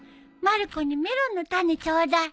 まる子にメロンの種ちょうだい。